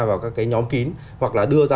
vào các cái nhóm kín hoặc là đưa ra